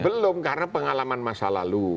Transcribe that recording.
belum karena pengalaman masa lalu